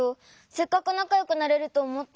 せっかくなかよくなれるとおもったのに。